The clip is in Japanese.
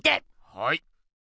はい。